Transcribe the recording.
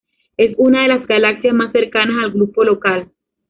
Es una de las galaxias más cercanas al Grupo Local.